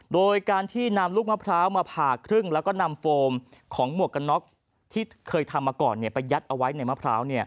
โดยการที่นำลูกมะพร้าวมาผ่าครึ่งแล้วก็นำโฟมของหมวกกันน็อกที่เคยทำมาก่อนไปยัดเอาไว้ในมะพร้าว